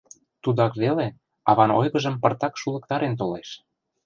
Тудак веле аван ойгыжым пыртак шулыктарен толеш.